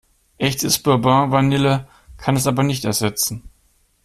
Echtes Bourbon-Vanille kann es aber nicht ersetzen.